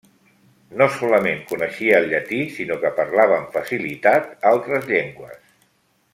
No solament coneixia el llatí sinó que parlava amb facilitat altres llengües.